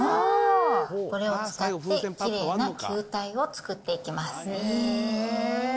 これを使って、きれいな球体を作っていきます。